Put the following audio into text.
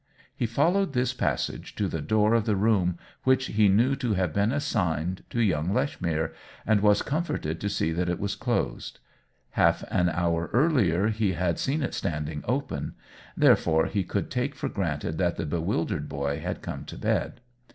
He followed this passage to the door of the room which he knew to have been assigned to young Lech mere, and was comforted to see that it was closed. Half an hour earlier he had seen it standing open ; therefore he could take for granted that the bewildered boy had come to bed.